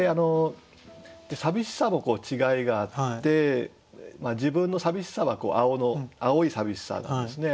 さびしさも違いがあって自分のさびしさは青いさびしさなんですね。